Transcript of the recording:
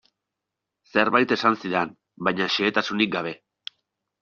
Zerbait esan zidan, baina xehetasunik gabe.